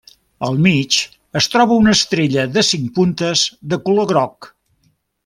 Al mig es troba una estrella de cinc puntes de color groc.